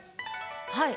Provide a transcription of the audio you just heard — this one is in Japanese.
はい。